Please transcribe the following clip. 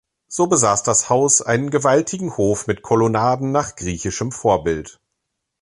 So besaß das Haus einen gewaltigen Hof mit Kolonnaden nach griechischem Vorbild.